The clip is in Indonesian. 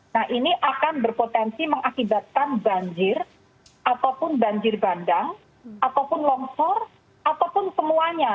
nah ini akan berpotensi mengakibatkan banjir ataupun banjir bandang ataupun longsor ataupun semuanya